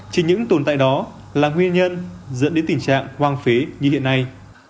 chỉ những tồn tại đó là nguyên nhân dẫn đến tình trạng hoang phế như hiện nay